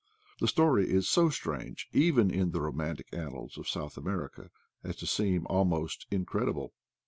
The story is so strange, even in the romantic annals of South America, as to seem almost incredible.